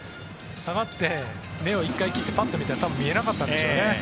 下がって、１回目を切ってパッと見たら見えなかったんでしょうね。